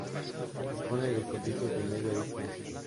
Dispone de servicios de Media Distancia.